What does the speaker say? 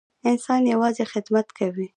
انسان یوازې خدمت کوي.